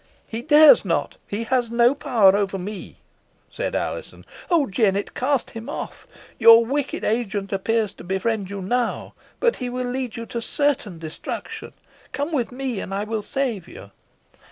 "He dares not he has no power over me," said Alizon. "Oh, Jennet! cast him off. Your wicked agent appears to befriend you now, but he will lead you to certain destruction. Come with me, and I will save you."